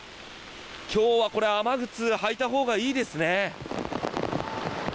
今日は、雨靴を履いたほうがいいですね。